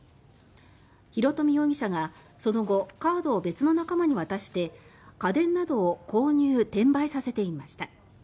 広冨容疑者がその後カードを別の仲間に渡して家電などを購入、転売させていました。